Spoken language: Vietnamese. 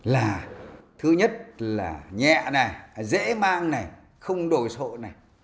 là thứ nhất là nhẹ này dễ mang này không đồ sộ này